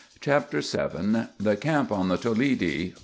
CHAPTER VII. THE CAMP ON THE TOLEDI.